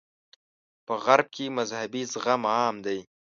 په غرب کې مذهبي زغم عام دی.